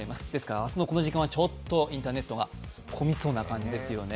ですから明日のこの時間はインターネットが混みそうな感じですよね。